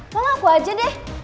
lo ngaku aja deh